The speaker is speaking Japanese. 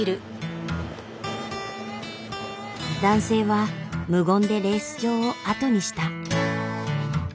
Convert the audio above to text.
男性は無言でレース場を後にした。